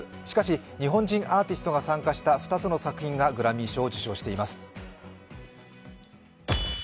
しかし、日本人アーティストが参加した２つがグラミー賞を受賞しています。